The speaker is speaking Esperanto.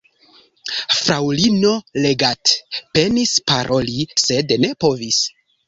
Fraŭlino Leggat penis paroli, sed ne povis.